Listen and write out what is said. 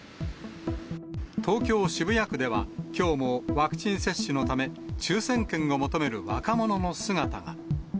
東京・渋谷区では、きょうもワクチン接種のため、抽せん券を求める若者の姿が。